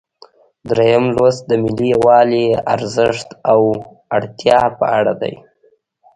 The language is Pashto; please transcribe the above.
دریم لوست د ملي یووالي ارزښت او اړتیا په اړه دی.